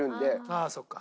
ああそうか。